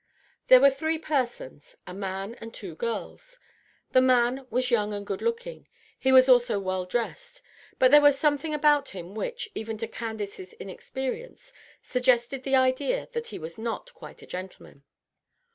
There were three persons, a man and two girls. The man was young and good looking; he was also well dressed, but there was something about him which, even to Candace's inexperience, suggested the idea that he was not quite a gentleman.